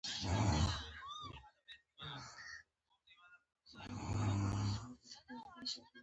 نوموړي غوره ګڼله پرنسېپ خطاب وشي